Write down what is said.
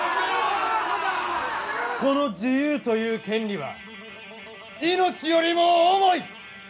この自由という権利は命よりも重い！